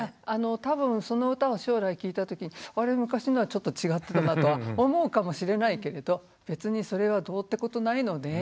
多分その歌を将来聞いたときにあれ昔のはちょっと違ってたなとは思うかもしれないけれど別にそれはどうってことないので。